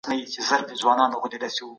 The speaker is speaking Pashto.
که کار ونه کړې نو څه به خورې؟